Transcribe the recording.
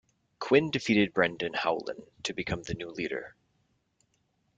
Quinn defeated Brendan Howlin to become the new leader.